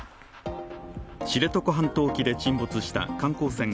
知床半島沖で沈没した観光船